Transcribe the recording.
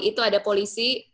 itu ada polisi